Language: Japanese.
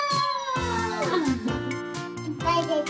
いっぱいでた。